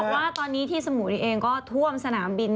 เขาบอกว่าตอนนี้ที่สมุยนี่เองก็ท่วมสนามบิน